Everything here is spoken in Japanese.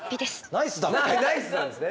ナイスなんですね。